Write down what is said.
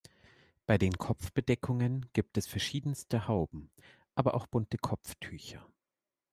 Bei den Kopfbedeckungen gibt es verschiedenste Hauben, aber auch bunte Kopftücher.